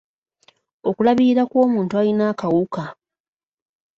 Okulabirira kw'omuntu alina akawuka.